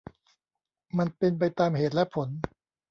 มันเป็นไปตามเหตุและผล